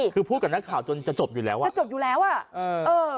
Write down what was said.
คือพูดกับนักข่าวจนจะจบอยู่แล้วอ่ะจะจบอยู่แล้วอ่ะเออเออ